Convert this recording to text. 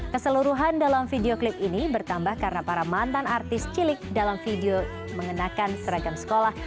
keseluruhan dalam video klip ini bertambah karena para mantan artis cilik dalam video mengenakan seragam sekolah